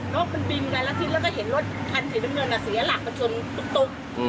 นกมันบินกันแล้วทิ้งแล้วก็เห็นรถพันธุ์เทพเมืองเสียหลักมาชนตุ๊ก